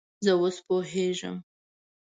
زه اوس پوهیږم